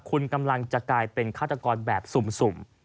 คุณกำลังจะกลายเป็นฆาตกรแบบสุ่ม